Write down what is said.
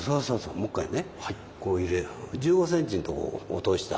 もう１回ねこう入れ１５センチのところ落とした。